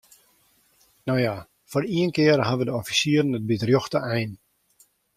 No ja, foar ien kear hawwe de offisieren it by de rjochte ein.